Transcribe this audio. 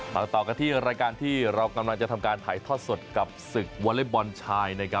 ต่อกันที่รายการที่เรากำลังจะทำการถ่ายทอดสดกับศึกวอเล็กบอลชาย